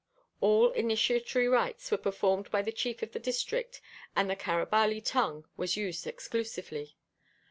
All initiatory rites were performed by the chief of the district and the Carabali tongue was used exclusively.